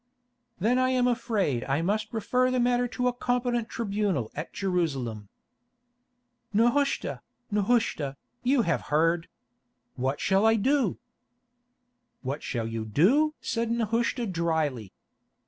"Then I am afraid I must refer the matter to a competent tribunal at Jerusalem." "Nehushta, Nehushta, you have heard. What shall I do?" "What shall you do?" said Nehushta drily.